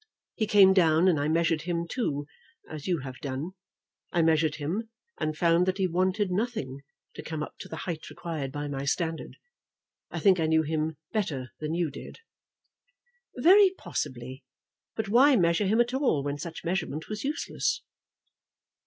He came down, and I measured him too, as you have done. I measured him, and I found that he wanted nothing to come up to the height required by my standard. I think I knew him better than you did." "Very possibly; but why measure him at all, when such measurement was useless?"